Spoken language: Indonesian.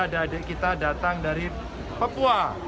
adik adik kita datang dari papua